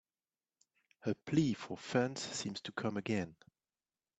A plea for funds seems to come again.